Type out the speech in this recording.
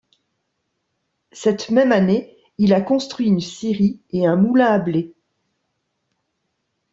Cette même année, il a construit une scierie et un moulin à blé.